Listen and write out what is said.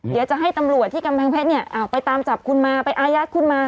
เดี๋ยวจะให้ตำรวจที่กำแพงเพชรไปตามจับคุณมาไปอายัดคุณมา